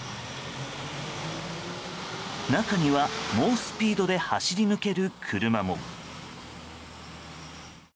中には、猛スピードで走り抜ける車も。